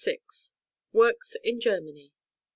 WORKS IN GERMANY.